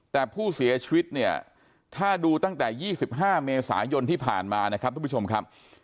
แต่ผู้เสียชีวิตเนี่ยถ้าดูตั้งแต่๒๕เมษายนที่ผ่านมานะครับทุกผู้ชมครับ